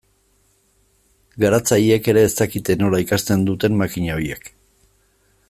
Garatzaileek ere ez dakite nola ikasten duten makina horiek.